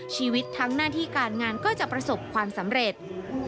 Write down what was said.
ชีวิตทั้งหน้าที่การงานก็จะประสบความสำเร็จ